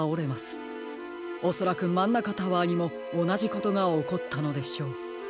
おそらくマンナカタワーにもおなじことがおこったのでしょう。